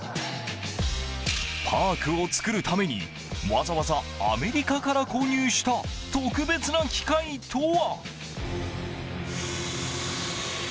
パークを作るためにわざわざアメリカから購入した特別な機械とは？